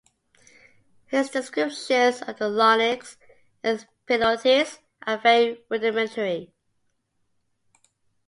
His descriptions of the larynx and epiglottis are very rudimentary.